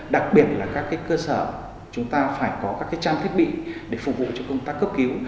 đặc biệt là các cơ sở chúng ta phải có các trang thiết bị để phục vụ cho công tác cấp cứu